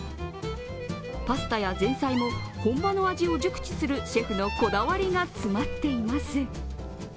パスタや前菜も、本場の味を熟知するシェフのこだわりが詰まっています。